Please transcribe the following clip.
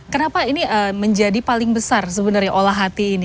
kenapa ini menjadi paling besar sebenarnya olah hati ini